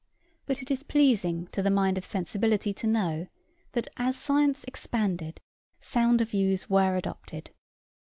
But it is pleasing to the mind of sensibility to know that, as science expanded, sounder views were adopted.